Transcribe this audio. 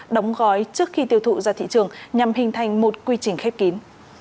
đóng gói trước khi tiêu thụ ra thị trường nhằm hình thành một quy trình khép kín